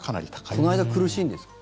その間苦しいんですけど。